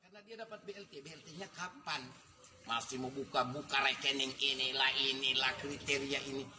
karena dia dapat blt nya kapan masih mau buka buka rekening inilah inilah kriteria ini